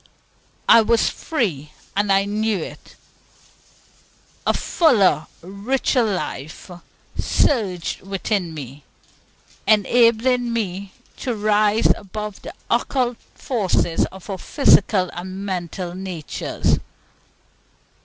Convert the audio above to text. I was free, and I knew it. A fuller, richer life surged within me, enabling me to rise above the occult forces of our physical and mental natures.